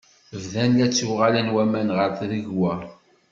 Bdan la ttuɣalen waman ɣer tregwa.